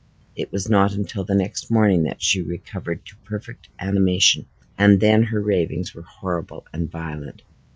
It was not until the next morning that she recovered to perfect animation, and then her ravings were horrible and violent.